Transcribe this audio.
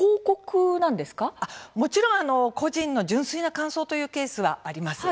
もちろん個人の純粋な感想というケースはあります。